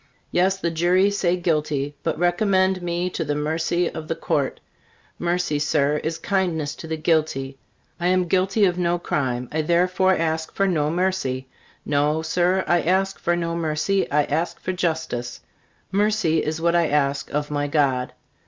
Yes, the jury say guilty, but recommend me to the mercy of the Court. Mercy, Sir, is kindness to the guilty. I am guilty of no crime, I therefore ask for no mercy. No, Sir, I ask for no mercy; I ask for justice. Mercy is what I ask of my God.